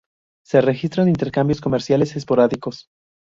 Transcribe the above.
Se registran intercambios comerciales esporádicos.